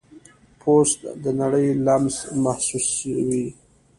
پوست د نړۍ لمس محسوسوي.